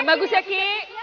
yang bagus ya kiki